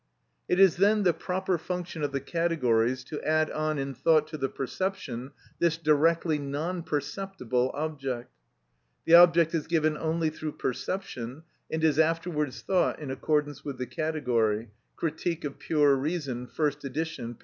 It is then the proper function of the categories to add on in thought to the perception this directly non perceptible object. "The object is given only through perception, and is afterwards thought in accordance with the category" (Critique of Pure Reason, first edition, p.